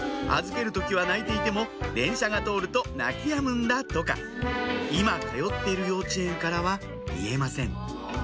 預ける時は泣いていても電車が通ると泣きやむんだとか今通っている幼稚園からは見えません